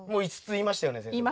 言いましたね。